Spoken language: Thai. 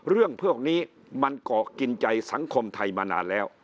เรื่องพวกนี้มันเกาะกินใจสังคมไทยมานานแล้ว